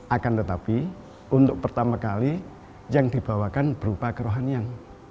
akan tetapi untuk pertama kali yang dibawakan berupa kerohanian